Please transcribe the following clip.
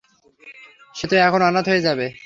সেতো এখন অনাথ হয়ে যাবে।